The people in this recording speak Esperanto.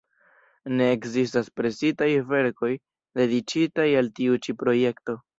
Ne ekzistas presitaj verkoj, dediĉitaj al tiu ĉi projekto".